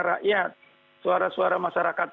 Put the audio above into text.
rakyat suara suara masyarakat